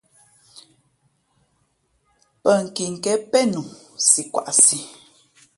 Pά nkiken pēn nu si kwaꞌsi.